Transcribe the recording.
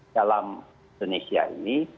dalam indonesia ini